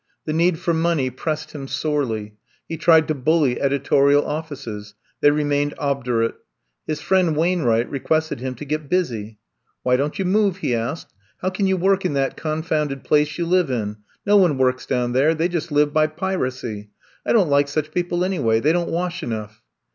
The need for money pressed him sorely. He tried to bully editorial oflSces. They remained ob durate. His friend Wadnwright requested him to get busy. Why don't you move?'* he asked. How can you work in that confounded place you live in? No one works down there. They just live by piracy. I don't like such people, anyway — they don 't wash enough.